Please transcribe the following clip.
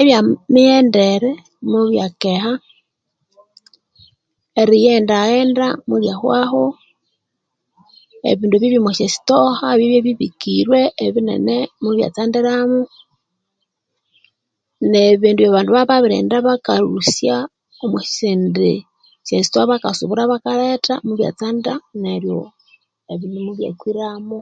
Ebyemighendere mubya keha Ebindu ebyerighendaghenda mubyahwaho abyabya omwasyasitoha mubyatsandiramu